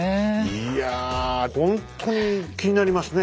いやほんとに気になりますね